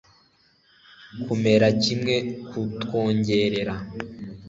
kumera kimwe kutwongorera